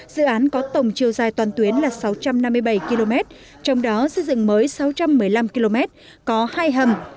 dự án có tổng chiều dài toàn tuyến là sáu trăm năm mươi bảy km trong đó xây dựng mới sáu trăm một mươi năm km có hai hầm